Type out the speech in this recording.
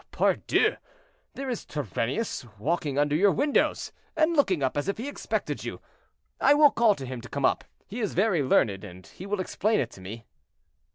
Ah! pardieu! there is 'Turennius' walking under your windows, and looking up as if he expected you. I will call to him to come up; he is very learned, and he will explain it to me."